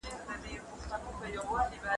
موږ د تاریخي پېښو په اړه څېړنې ته اړتیا لرو.